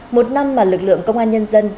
một năm mà lực lượng công an nhân dân